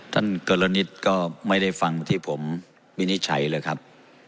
ท่านเกิร์ลณิศก็ไม่ได้ฟังที่ผมมินิจฉัยเลยครับ